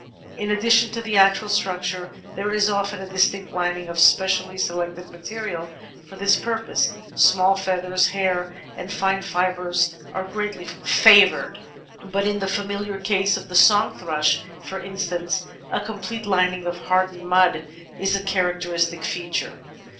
In addition to the actual structiure there is often a distinct lining of specially selected material ; for this purpose small feathers, hair, and fine fibres are greatly favoured, but in the familiar case of the Song Thrush, for in stance, a complete lining of hardened mud is a characteristic 440 The Outline of Science feature.